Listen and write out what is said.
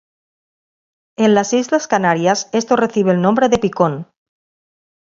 En las islas Canarias esto recibe el nombre de picón.